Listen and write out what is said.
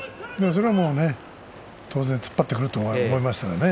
それは当然突っ張ってくると思いましたよね。